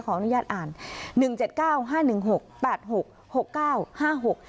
ขออนุญาตอ่านหนึ่งเจ็ดเก้าห้าหนึ่งหกแปดหกหกเก้าห้าหก